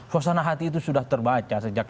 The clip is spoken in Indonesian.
kosana hati itu sudah terbaca sejak